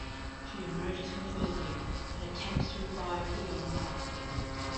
She emerges from the building and attempts to revive the young man.